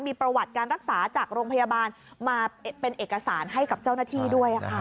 มีประวัติการรักษาจากโรงพยาบาลมาเป็นเอกสารให้กับเจ้าหน้าที่ด้วยค่ะ